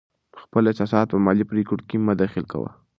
خپل احساسات په مالي پرېکړو کې مه دخیل کوه.